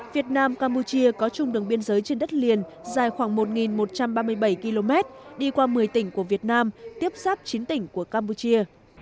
việt nam campuchia có chung đường biên giới trên đất liền dài khoảng một một trăm ba mươi bảy km đi qua một mươi tỉnh của việt nam tiếp sắp chín tỉnh của campuchia